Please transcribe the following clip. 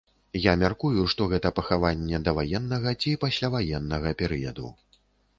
Я мяркую, што гэта пахаванне даваеннага ці пасляваеннага перыяду.